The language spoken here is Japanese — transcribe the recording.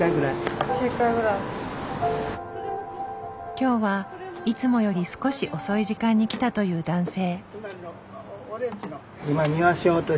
今日はいつもより少し遅い時間に来たという男性。